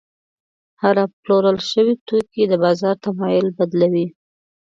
هره پلورل شوې توکي د بازار تمایل بدلوي.